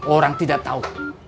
orang tidak tahu